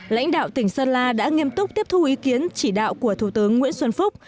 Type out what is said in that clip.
lãnh đạo tỉnh sơn la đã nghiêm túc tiếp thu ý kiến chỉ đạo của thủ tướng nguyễn xuân phúc